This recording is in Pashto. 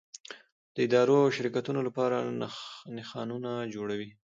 د ادارو او شرکتونو لپاره نښانونه جوړوي.